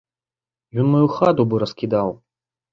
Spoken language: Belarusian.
Ён маю хату быў раскідаў.